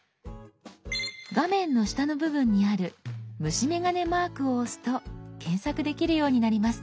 画面の下の部分にある虫眼鏡マークを押すと検索できるようになります。